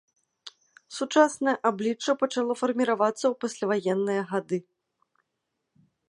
Сучаснае аблічча пачало фарміравацца ў пасляваенныя гады.